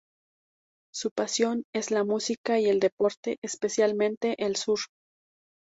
Su pasión es la música y el deporte, especialmente el surf.